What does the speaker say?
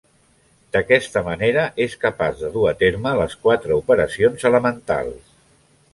D’aquesta manera és capaç de dur a terme les quatre operacions elementals.